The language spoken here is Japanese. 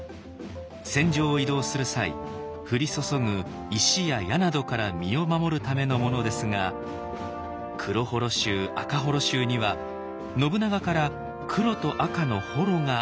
戦場を移動する際降り注ぐ石や矢などから身を守るためのものですが黒母衣衆赤母衣衆には信長から黒と赤の母衣が与えられていました。